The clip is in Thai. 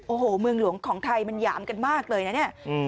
โอ้โหเมืองหลวงของไทยมันหยามกันมากเลยนะเนี่ย